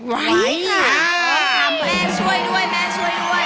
ไว้ค่ะแหม่ช่วยด้วย